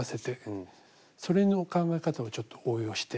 それの考え方をちょっと応用してみました。